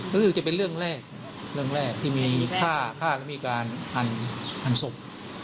ก็คือจะเป็นเรื่องแรกเรื่องแรกที่มีฆ่าฆ่าแล้วมีการหันศพ